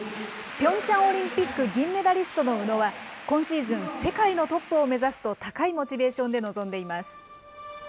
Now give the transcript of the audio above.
ピョンチャンオリンピック銀メダリストの宇野は、今シーズン、世界のトップを目指すと、高いモチベーションで臨んでいます。